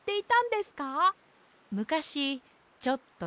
むかしちょっとね。